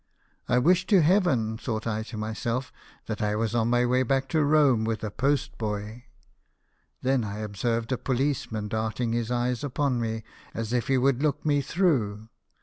* I wish to Heaven/ thought I to myself, 'that I was on my way back to Rome with a postboy.' Then I ob served a policeman darting his eyes upon me, as if he would look me through.